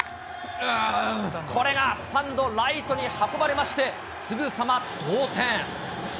これがスタンドライトに運ばれまして、すぐさま同点。